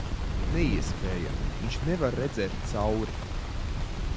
Neiespējami. Viņš nevar redzēt cauri...